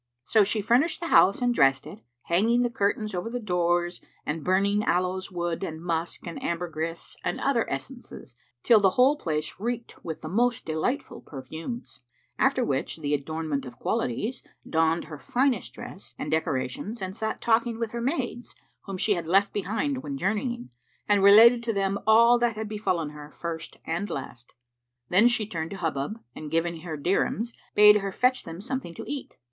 So she furnished the house and dressed it, hanging the curtains over the doors and burning aloes wood and musk and ambergris and other essences till the whole place reeked with the most delightful perfumes: after which the Adornment of Qualities donned her finest dress and decorations and sat talking with her maids, whom she had left behind when journeying, and related to them all that had befallen her first and last. Then she turned to Hubub and giving her dirhams, bade her fetch them something to eat.